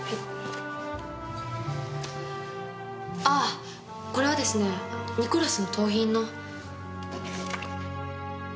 ああこれはですねニコラスの盗品の。